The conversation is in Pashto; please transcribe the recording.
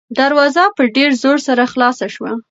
دروازه په ډېر زور سره خلاصه شوه.